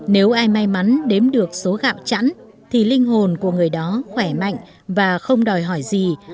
nếu ai may mắn đếm được số gạo chẵn thì linh hồn của người đó khỏe mạnh và không đòi hỏi gì